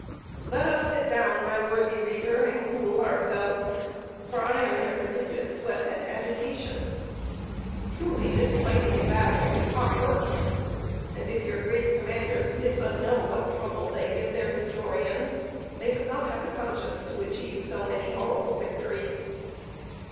Let us sit down, my worthy reader, and cool ourselves, for I am in a prodigious sweat and agitation. Truly this fighting of battles is hot work! and if your great commanders did but know what trouble they give their historians, they would not have the conscience to achieve so many horrible victories.